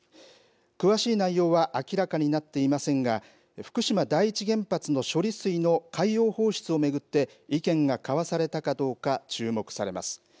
詳しい内容は明らかになっていませんが、福島第一原発の処理水の海洋放出を巡って、意見が交わされたかどうか注目されます。